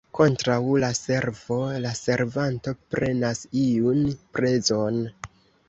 Kontraŭ la servo la servanto prenas iun prezon.